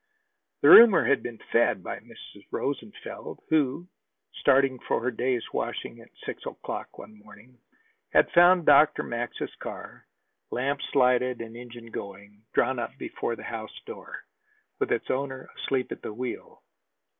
The rumor had been fed by Mrs. Rosenfeld, who, starting out for her day's washing at six o'clock one morning, had found Dr. Max's car, lamps lighted, and engine going, drawn up before the house door, with its owner asleep at the wheel.